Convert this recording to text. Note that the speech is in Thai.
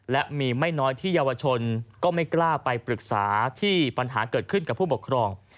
และมีไม่น้อยที่เยาวชนก็ไม่กล้าไปปรึกษาที่ปัญหาเกิดขึ้นกับผู้ปกครอง